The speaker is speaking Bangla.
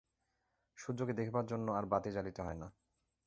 সূর্যকে দেখিবার জন্য আর বাতি জ্বালিতে হয় না।